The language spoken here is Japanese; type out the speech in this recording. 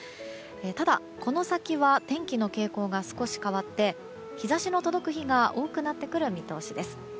ただ、この先は天気の傾向が少し変わって日差しの届く日が多くなってくる見通しです。